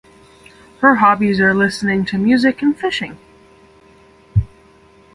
Her hobbies are listening to music and fishing.